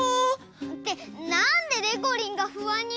ってなんででこりんがふあんになってるのさ！